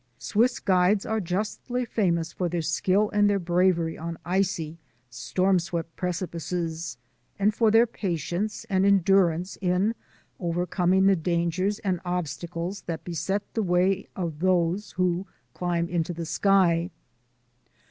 Swiss guides are justly famous for their skill and their bravery on icy, storm swept precipices and for their patience and endurance in overcoming the dangers and obstacles that beset the way of those who climb into the sky.